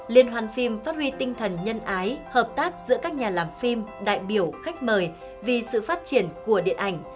liên hoan phim phát huy tinh thần nhân ái hợp tác giữa các nhà làm phim đại biểu khách mời vì sự phát triển của điện ảnh